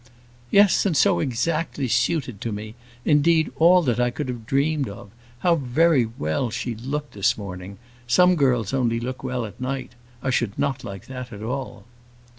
"Yes, and so exactly suited to me; indeed, all that I could have dreamed of. How very well she looked this morning! Some girls only look well at night. I should not like that at all."